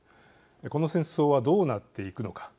この戦争はどうなっていくのか。